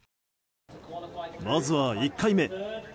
まずは１回目。